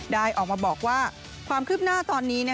ได้ออกมาบอกว่าความคืบหน้าตอนนี้